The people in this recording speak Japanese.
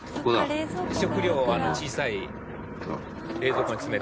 「食料は小さい冷蔵庫に詰めて」